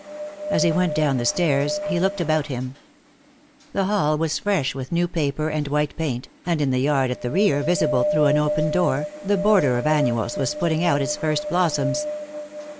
As he went down the stairs he looked about him. The hall was fresh with new paper and white paint, and in the yard at the rear, visible through an open door, the border of annuals was putting out its first blossoms.